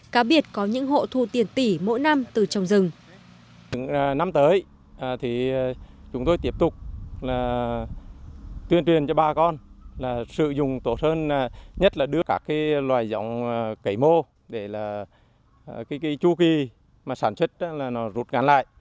cá biệt có những hộ thu tiền tỷ mỗi năm từ trồng rừng